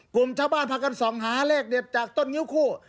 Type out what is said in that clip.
กลุ่มชาวบ้านพากันส่องหาเลขเด็ดจากต้นงิ้วคู่